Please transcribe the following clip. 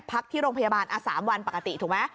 พักที่โรงพยาบาลอ่ะ๓วันปกติถูกมั้ย